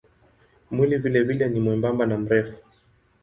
Mwili vilevile ni mwembamba na mrefu.